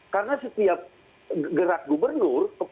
karena setiap gerak gubernur